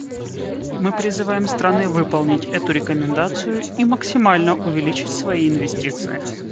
Мы призываем страны выполнить эту рекомендацию и максимально увеличить свои инвестиции.